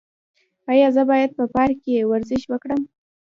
ایا زه باید په پارک کې ورزش وکړم؟